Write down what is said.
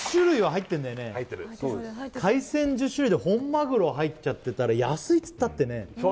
入ってる海鮮１０種類で本マグロ入っちゃってたら安いっつったってね